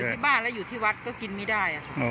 อยู่ที่บ้านแล้วอยู่ที่วัดก็กินไม่ได้อะค่ะ